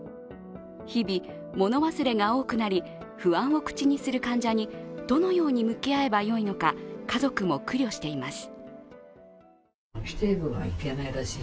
日々、物忘れが多くなり不安を口にする患者にどのように向き合えばよいのか、家族も苦慮しています。